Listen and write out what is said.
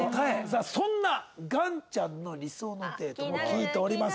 そんな岩ちゃんの理想のデートも聞いております。